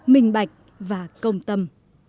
minh bạch và công tâm